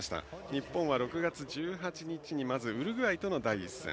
日本は６月１８日にまずウルグアイとの第１戦。